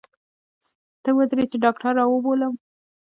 ته ودرې چې ډاکتر راوبولم.